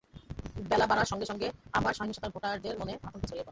বেলা বাড়ার সঙ্গে সঙ্গে আবার সহিংসতায় ভোটারদের মনে আতঙ্ক ছড়িয়ে পড়ে।